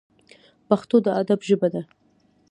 پښتو د ادب ژبه ده